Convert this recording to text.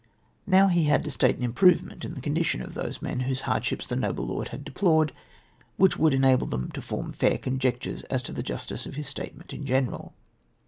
" Now he had to state an improvement in the condition of those men whose hardships the noble lord had deplored, which would enable them to form fair conjectures as to the justice of his statement in general.